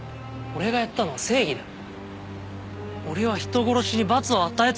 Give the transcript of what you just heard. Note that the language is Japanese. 俺がやったのは正義なんだよ！